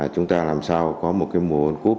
chúng ta làm sao có một mùa world cup